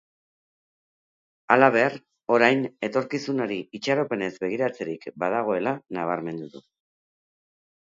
Halaber, orain etorkizunari itxaropenez begiratzerik badagoela nabarmendu du.